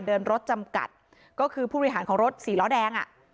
เดินรถจำกัดก็คือผู้บริหารของรถสี่ล้อแดงอ่ะ